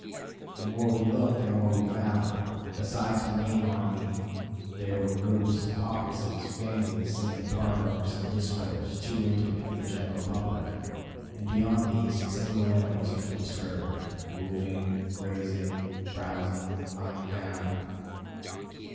The more we looked the more we found; besides the main army there were groups, caucuses, families sitting apart over some discourse too intimate for the general public; and beyond these single animals could be discerned, moving, gazing, browsing, lying down.